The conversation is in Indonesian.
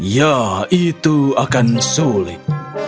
ya itu akan sulit